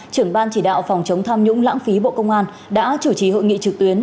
trưởng ban chỉ đạo phòng chống tham nhũng lãng phí bộ công an đã chủ trì hội nghị trực tuyến